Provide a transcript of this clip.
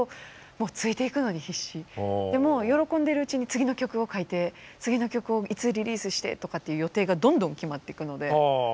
毎日初めてのことだらけでもう喜んでるうちに次の曲を書いて次の曲をいつリリースしてとかって予定がどんどん決まっていくので。